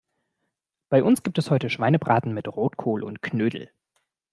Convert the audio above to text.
Bei uns gibt es heute Schweinebraten mit Rotkohl und Knödel.